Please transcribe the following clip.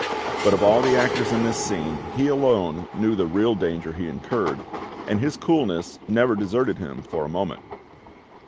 But of all the actors in this scene he alone knew the real danger he incurred, and his coolness never deserted him for a moment.